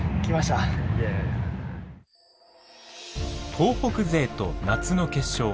東北勢と夏の決勝。